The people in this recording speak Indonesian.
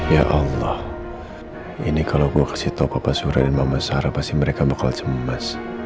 ya allah ini kalau gue kasih toko pak surya dan mama sarah pasti mereka bakal cemas